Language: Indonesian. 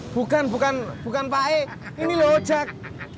bukan bukan bukan pak e ini lo ojak